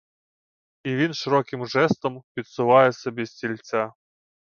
І він широким жестом підсуває собі стільця.